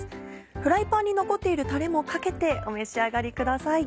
フライパンに残っているタレもかけてお召し上がりください。